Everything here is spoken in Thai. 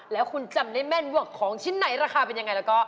แล้วคุณจำได้แม่นว่าของชิ้นไหนราคาเป็นยังไงแล้วก็